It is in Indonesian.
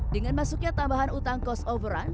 dengan masuknya tambahan utang cost overrun